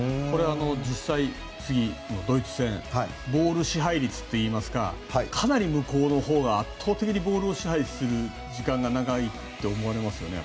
実際、次のドイツ戦ボール支配率といいますかかなり向こうのほうが圧倒的にボールを支配する時間が長いと思われますよね。